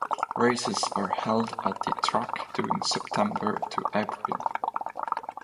Races are held at the track during September to April.